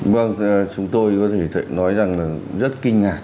vâng chúng tôi có thể nói rằng là rất kinh ngạc